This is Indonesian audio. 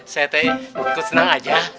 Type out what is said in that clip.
saya tadi ikut senang aja